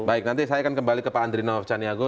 baik nanti saya akan kembali ke pak andrinov caniago